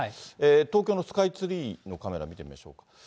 東京のスカイツリーのカメラ見てみましょうか。